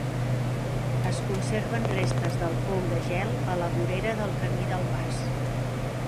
Es conserven restes del pou de gel a la vorera del camí del mas.